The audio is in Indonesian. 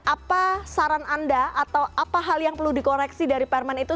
apa saran anda atau apa hal yang perlu dikoreksi dari permen itu